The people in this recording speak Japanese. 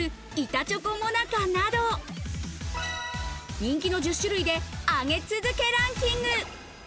板チョコモナカなど、人気の１０種類で上げ続けランキング。